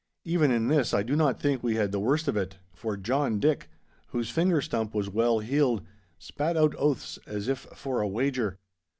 Even in this I do not think we had the worst of it, for John Dick (whose finger stump was well healed) spat out oaths as if for a wager.